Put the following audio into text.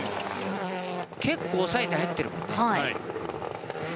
結構抑えて入っているもんね。